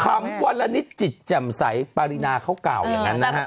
คำวารณิษฐ์จิตจำสัยปริน่าเข้าเก่าอย่างนั้น